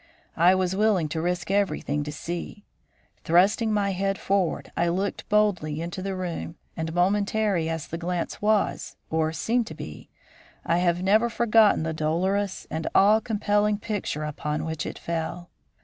I was willing to risk everything to see. Thrusting my head forward, I looked boldly into the room, and momentary as the glance was, or seemed to be, I have never forgotten the dolorous and awe compelling picture upon which it fell.